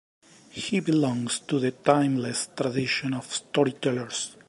He belongs to the timeless tradition of story tellers.